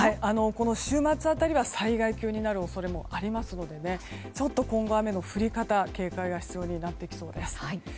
この週末辺りは災害級になる恐れもありますのでちょっと今後、雨の降り方警戒が必要になりそうです。